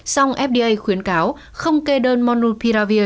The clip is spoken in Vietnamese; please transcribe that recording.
xong fda khuyến cáo không kê đơn monopiravir